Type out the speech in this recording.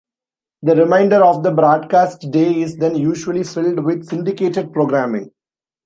The remainder of the broadcast day is then usually filled with syndicated programming.